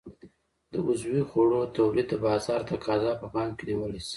د عضوي خوړو تولید د بازار تقاضا په پام کې نیول شي.